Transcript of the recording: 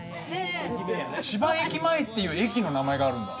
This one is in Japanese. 千葉駅前っていう駅の名前があるんだ。